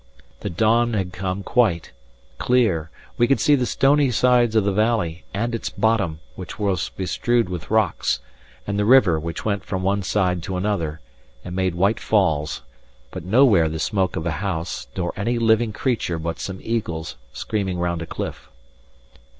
The dawn had come quite clear; we could see the stony sides of the valley, and its bottom, which was bestrewed with rocks, and the river, which went from one side to another, and made white falls; but nowhere the smoke of a house, nor any living creature but some eagles screaming round a cliff.